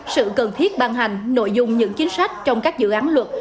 sự cần thiết ban hành nội dung những chính sách trong các dự án luật